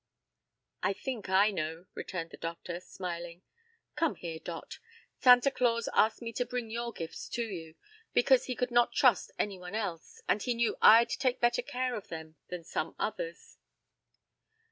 "I think I know," returned the doctor, smiling. "Come here, Dot, Santa Claus asked me to bring your gifts to you, because he could not trust any one else, and he knew I'd take better care of them than some others."